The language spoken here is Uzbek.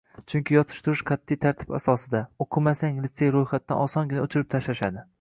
Chunki yotish-turish qatʼiy tartib asosida, oʻqimasang litsey roʻyxatidan osongina oʻchirib tashlashadi.